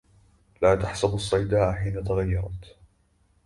لا تحسبوا صيداء حين تغيرت